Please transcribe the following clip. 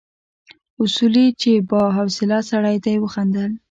اصولي چې با حوصله سړی دی وخندل.